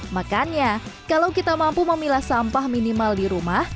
makanya kalau kita mampu memilah sampah minimal di rumah